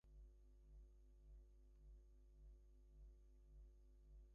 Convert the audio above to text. In addition, while in South America, he visited Venezuela, Peru and Ecuador.